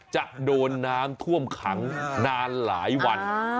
จะโดนน้ำท่วมขังนานหลายวัน